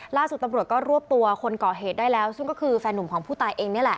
ล่าสุดตำรวจก็รวบตัวคนก่อเหตุได้แล้วซึ่งก็คือแฟนหนุ่มของผู้ตายเองนี่แหละ